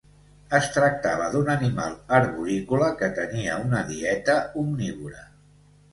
Es tractava d'un animal arborícola que tenia una dieta omnívora.